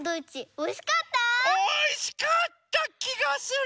おいしかったきがする。